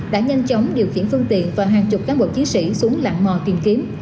đã nhanh chóng điều khiển phương tiện và hàng chục cán bộ chiến sĩ xuống lạng mò kiểm kiếm